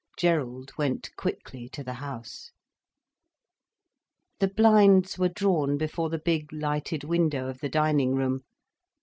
Gerald went quickly to the house. The blinds were drawn before the big, lighted window of the dining room.